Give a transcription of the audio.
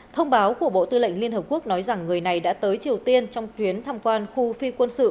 thông báo của bộ tư lệnh liên hợp quốc nói rằng người này đã tới triều tiên trong chuyến thăm quan khu phi quân sự